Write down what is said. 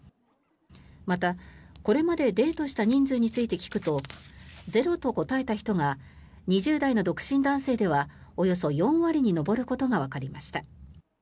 また、これまでデートした人数について聞くとゼロと答えた人が２０代の独身男性ではおよそ４割に上ることがわかりました。